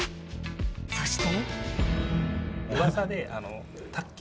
そして。